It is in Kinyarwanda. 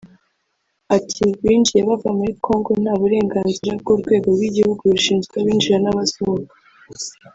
Ati “Binjiye bava muri Congo nta burenganzira bw’Urwego rw’Igihugu rushinzwe abinjira n’abasohoka